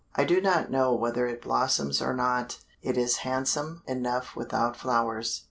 I do not know whether it blossoms or not, it is handsome enough without flowers.